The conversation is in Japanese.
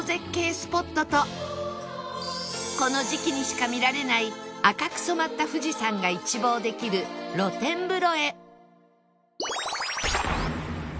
スポットとこの時期にしか見られない赤く染まった富士山が一望できる露天風呂へ